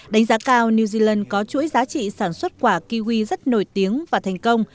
đánh giá cao new zealand có chuỗi giá trị sản xuất quả kiwi rất nổi tiếng và thành công